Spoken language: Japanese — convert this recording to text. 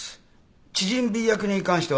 知人Ｂ役に関しては。